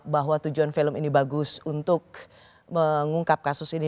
bahwa tujuan film ini bagus untuk mengungkap kasus ini